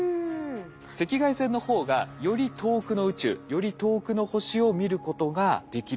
赤外線の方がより遠くの宇宙より遠くの星を見ることができるそうなんです。